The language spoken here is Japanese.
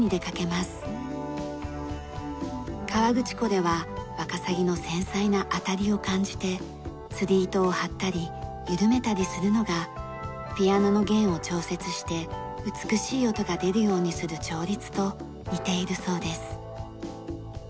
河口湖ではワカサギの繊細な当たりを感じて釣り糸を張ったり緩めたりするのがピアノの弦を調節して美しい音が出るようにする調律と似ているそうです。